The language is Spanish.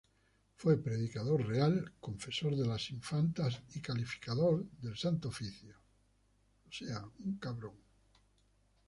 Fue predicador real, confesor de los infantes y calificador del Santo Oficio.